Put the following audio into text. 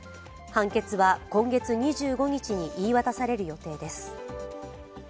判決は今月２５日に言い渡される予定です。